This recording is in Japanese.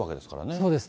そうですね。